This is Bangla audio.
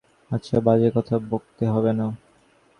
আচ্ছা, বাজে কথা বকতে হবে না।